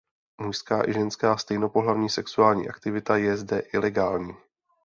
Mužská i ženská stejnopohlavní sexuální aktivita je zde ilegální.